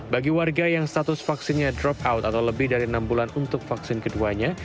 bagi warga yang status vaksinnya drop out atau lebih dari enam bulan untuk vaksin keduanya